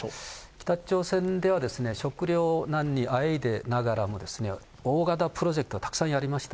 北朝鮮では食糧難にあえいでながらも、大型プロジェクト、たくさんやりました。